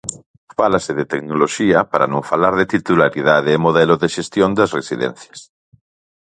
Fálase de tecnoloxía para non falar de titularidade e modelo de xestión das residencias.